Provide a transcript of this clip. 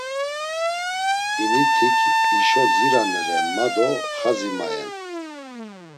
Hinitik hişo dziranere ma do xadzi mayen.